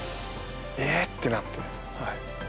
「えっ！」ってなって。